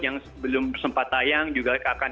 yang belum sempat tayang juga akan